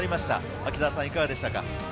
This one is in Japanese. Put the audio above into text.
秋澤さん、いかがでしたか？